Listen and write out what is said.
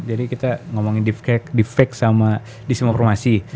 jadi kita ngomongin deep fake sama disinformasi